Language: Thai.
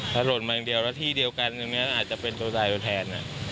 ถ้าหล่นมาอย่างเดียวแล้วที่เดียวกันอย่างนี้อาจจะเป็นตัวตายไปแทน